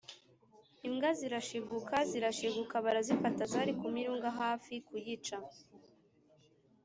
imbwa zirashiguka, zirashiguka barazifata zari ku mirunga hafi kuyica.